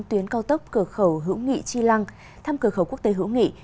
tuyến cao tốc cửa khẩu hữu nghị chi lăng thăm cửa khẩu quốc tế hữu nghị